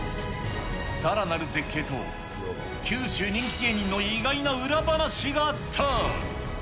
さらなる絶景と、九州人気芸人の意外な裏話があった。